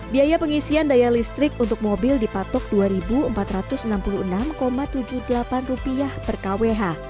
biaya pengisian daya listrik untuk mobil dipatok rp dua empat ratus enam puluh enam tujuh puluh delapan per kwh